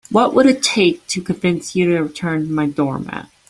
What would it take to convince you to return my doormat?